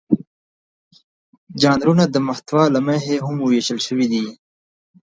ژانرونه د محتوا له مخې هم وېشل شوي دي.